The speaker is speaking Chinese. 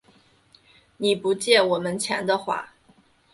你不借我们钱的话